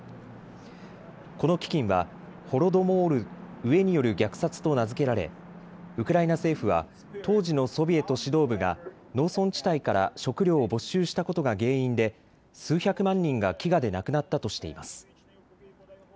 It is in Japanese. この飢きんはホロドモール、飢えによる虐殺と名付けられウクライナ政府は当時のソビエト指導部が農村地帯から食料を没収したことが原因で数百万人が飢餓で亡くなったとしています。